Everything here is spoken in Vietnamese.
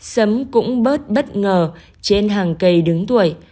sấm cũng bớt bất ngờ trên hàng cây đứng tuổi